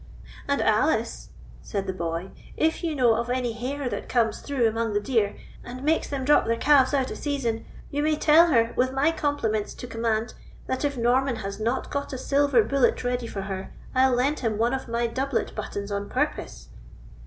"And Alice," said the boy, "if you know of any hare that comes through among the deer, and makes them drop their calves out of season, you may tell her, with my compliments to command, that if Norman has not got a silver bullet ready for her, I'll lend him one of my doublet buttons on purpose."